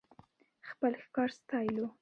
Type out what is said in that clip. خپل ښکار ستايلو .